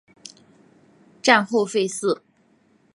战后废寺。